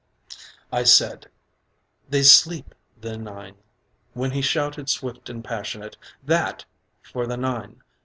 I said: "they sleep, the nine," when he shouted swift and passionate: "that for the nine!